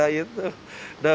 aku itu kehabisan